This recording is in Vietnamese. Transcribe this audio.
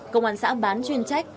công an xã bán chuyên trách